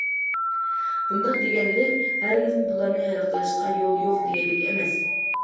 بۇنداق دېگەنلىك، ھەرگىزمۇ بۇلارنى ھەل قىلىشقا يول يوق دېگەنلىك ئەمەس.